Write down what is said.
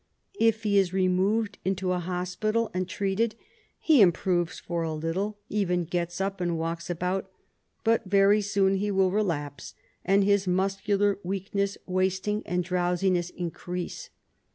If he is removed into a hospital and treated, he improves for a little, even gets up and walks about, but very soon he will relapse, and his muscular weak ness, wasting and drowsiness increase.